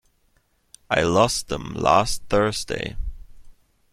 I lost them last Thursday.